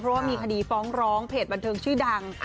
เพราะว่ามีคดีฟ้องร้องเพจบันเทิงชื่อดัง